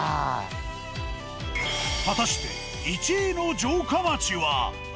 果たして１位の城下町は。